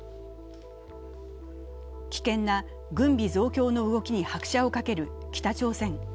危険な軍備増強の動きに拍車をかける北朝鮮。